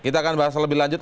kita akan bahas lebih lanjut